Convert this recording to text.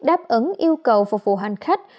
đáp ứng yêu cầu phục vụ hành khách